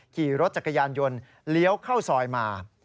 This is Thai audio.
ขี่รถจักรยานยนต์เลี้ยวเข้าซอยมา